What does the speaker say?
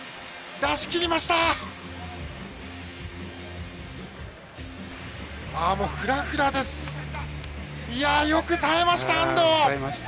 出しきりました。